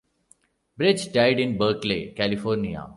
Birge died in Berkeley, California.